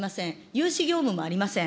融資業務もありません。